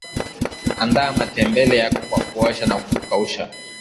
andaa matembele yako kwa kuosha na kukausha